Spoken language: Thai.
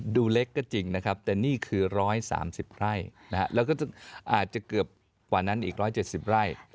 ดูเล็กก็จริงนะครับแต่นี่คือ๑๓๐ไร่แล้วก็อาจจะเกือบกว่านั้นอีก๑๗๐ไร่